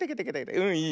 うんいいね。